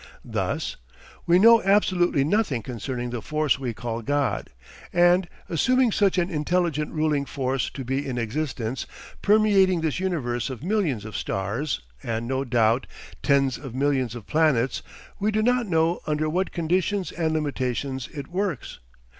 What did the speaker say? Thus: "We know absolutely nothing concerning the Force we call God; and, assuming such an intelligent ruling force to be in existence, permeating this universe of millions of stars and (no doubt) tens of millions of planets, we do not know under what conditions and limitations It works.